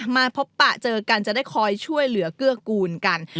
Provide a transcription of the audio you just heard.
มาพบปะเจอกันจะได้คอยช่วยเหลือเกื้อกูลกัน